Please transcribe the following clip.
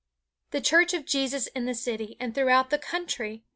The church of Jesus in the city and throughout the country!